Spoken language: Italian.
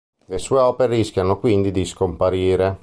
Le sue opere rischiano quindi di scomparire.